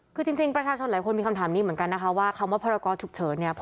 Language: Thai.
คือจริงประชาชนหลายคนมีคำถามนี้เหมือนกันนะคะว่าคำว่าพรกรฉุกเฉินเนี่ย